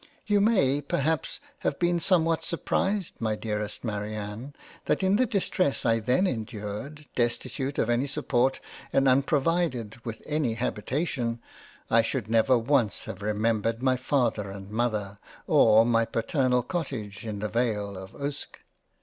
You may perhaps have been somewhat surprised my Dearest Marianne, that in the Distness I then endured, destitute of any support, and unprovided with any Habitation, I should never once have remembered my Father and Mother or my paternal Cottage in the^Vale of Uske.